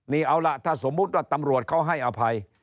นี่เอาล่ะถ้าสมมุติว่าตำรวจเขาให้อภัย